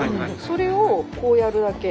それをこうやるだけ。